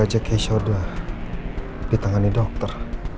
aja keisha udah ditangani dokter